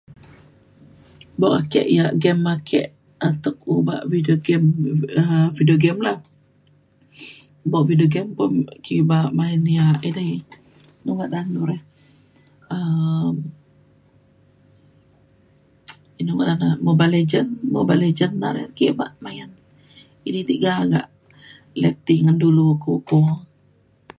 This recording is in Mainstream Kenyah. buk ake ya game ake atek obak video game um video game la. buk video game pun ake obak main yak edei nu ngadan nu re um inu ngadan ne Mobile Legend. Mobile Legend na re ake obak idi tiga kak le ti ngan dulu ku’o